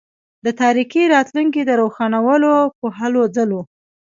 د تاریکي راتلونکي د روښانولو په هلوځلو.